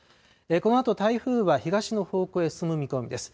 このあと台風は東の方向へ進む見込みです。